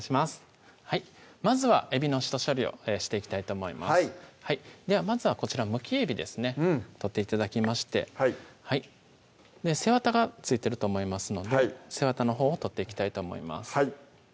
まずはえびの下処理をしていきたいと思いますではまずはこちらむきえびですね取って頂きましてはい背わたが付いてると思いますので背わたのほうを取っていきたいと思います